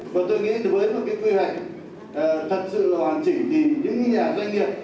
và tôi nghĩ với một quy hoạch thật sự hoàn chỉ thì những nhà doanh nghiệp cũng như những người dân